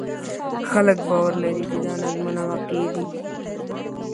خلک باور لري چې دا نظمونه واقعي دي.